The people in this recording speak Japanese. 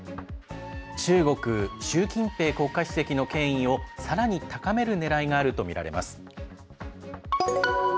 中国、習近平国家主席の権威をさらに高めるねらいがあるとみられます。